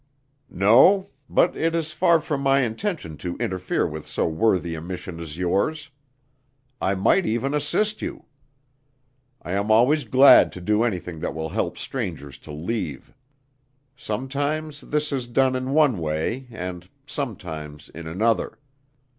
"No but it is far from my intention to interfere with so worthy a mission as yours. I might even assist you. I am always glad to do anything that will help strangers to leave. Sometimes this is done in one way and sometimes in another.